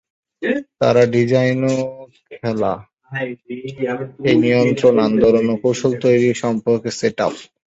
তারা ডিজাইন ও খেলা, এর নিয়ন্ত্রণ, আন্দোলন ও কৌশল তৈরি সম্পর্কে সেট আপ।